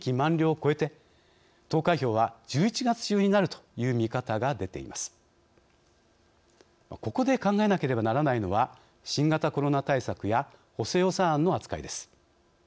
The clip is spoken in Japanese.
ここで考えなければならないのは新型コロナ対策や補正予算案の扱いです。